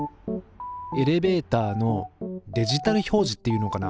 エレベーターのデジタル表示っていうのかな。